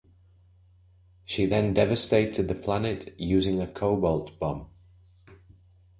She then devastated the planet using a cobalt bomb.